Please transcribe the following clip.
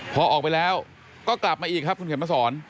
พอออกไปแล้วก็กลับมาอีกครับคุณเข็มมาสอน